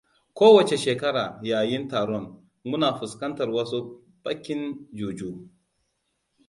Kowacce shekara, yayin taron, muna fuskantar wasu baƙin juju.